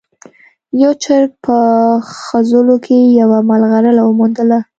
یو چرګ په خځلو کې یوه ملغلره وموندله.